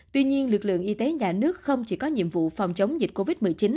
tuy nhiên lực lượng y tế nhà nước không chỉ có nhiệm vụ phòng chống dịch covid một mươi chín